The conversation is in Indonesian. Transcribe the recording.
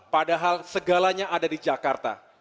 padahal segalanya ada di jakarta